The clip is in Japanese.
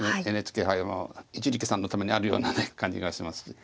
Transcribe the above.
またＮＨＫ杯も一力さんのためにあるような感じがします。